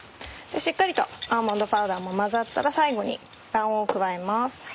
しっかりとアーモンドパウダーも混ざったら最後に卵黄加えます。